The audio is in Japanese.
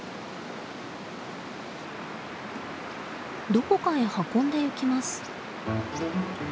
どこかへ運んでいきます。